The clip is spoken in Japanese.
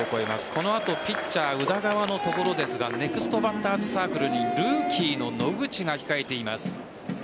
この後、ピッチャー宇田川のところですがネクストバッターズサークルにルーキーの野口が控えています。